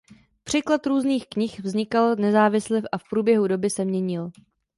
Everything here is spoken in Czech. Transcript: Překlad různých knih vznikal nezávisle a v průběhu doby se měnil.